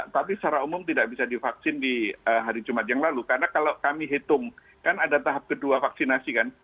tapi secara umum tidak bisa divaksin di hari jumat yang lalu karena kalau kami hitung kan ada tahap kedua vaksinasi kan